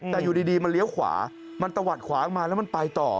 แต่อยู่ดีมันเลี้ยวขวามันตะวัดขวาออกมาแล้วมันไปต่อ